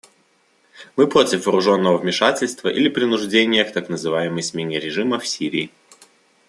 Мы против вооруженного вмешательства или принуждения к так называемой смене режима в Сирии.